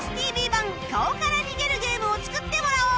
版『顔から逃げるゲーム』を作ってもらおう！